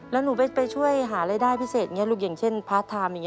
แล้วหนูไปช่วยหารายได้พิเศษอย่างเช่นพาร์ทไทม์อย่างเงี้ย